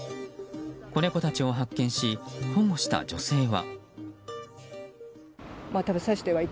子猫たちを発見し保護した女性は。